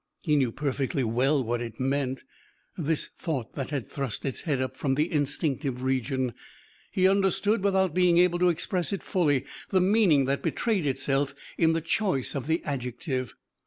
He knew perfectly well what it meant this thought that had thrust its head up from the instinctive region. He understood, without being able to express it fully, the meaning that betrayed itself in the choice of the adjective.